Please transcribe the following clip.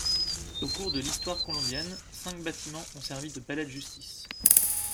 Au cours de l'histoire colombienne cinq bâtiments ont servi de palais de justice.